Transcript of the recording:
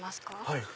はい！